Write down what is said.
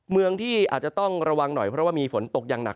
เมืองที่อาจจะต้องระวังหน่อยเพราะว่ามีฝนตกอย่างหนัก